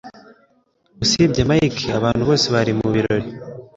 Usibye Mike, abantu bose bari mubirori.